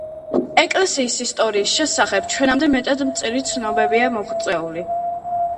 ეკლესიის ისტორიის შესახებ ჩვენამდე მეტად მწირი ცნობებია მოღწეული.